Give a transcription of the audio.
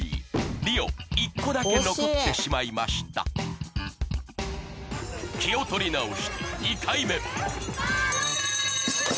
ＲＩＯ１個だけ残ってしまいました気を取り直して２回目バナナ！